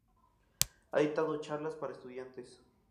Ha dictado charlas para estudiantes.